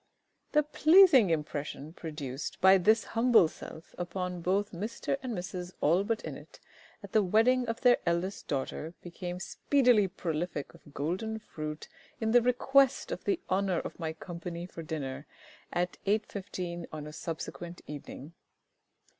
_ The pleasing impression produced by this humble self upon both Mister and Mrs ALLBUTT INNETT at the wedding of their eldest daughter became speedily prolific of golden fruit in the request of the honour of my company for dinner at 8.15 P.M. on a subsequent evening.